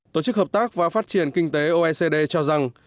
tổ chức hợp tác và phát triển kinh tế oecd cho rằng